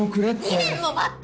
２年も待った！